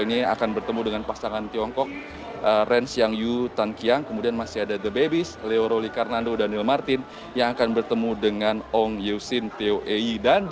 ini yang baru saja menyelesaikan pertandingan yang siang tadi juga harus mengakui keunggulan asal tiongkok chen qingchen jia yifan